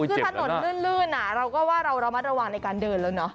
ธนสนลื่นอะเราก็ว่าระมัดระวังในการเดินละเนอะ